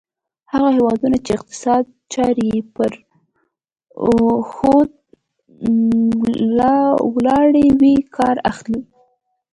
هغه هیوادونه چې اقتصادي چارې یې پر سود ولاړې وي کار اخلي.